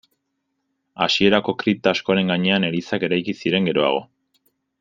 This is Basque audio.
Hasierako kripta askoren gainean elizak eraiki ziren geroago.